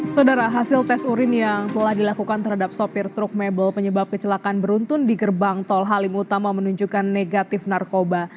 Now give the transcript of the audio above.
saudara hasil tes urin yang telah dilakukan terhadap sopir truk mebel penyebab kecelakaan beruntun di gerbang tol halim utama menunjukkan negatif narkoba